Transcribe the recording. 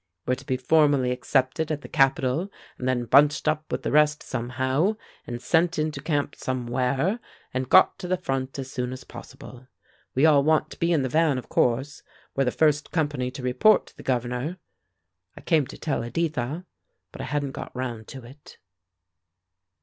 We're to be formally accepted at the capital, and then bunched up with the rest somehow; and sent into camp somewhere, and got to the front as soon as possible. We all want to be in the van, of course; we're the first company to report to the Governor. I came to tell Editha, but I hadn't got round to it."